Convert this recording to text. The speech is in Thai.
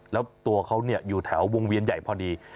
แล้วตัวเขาอยู่แถววงเวียนใหญ่พอดี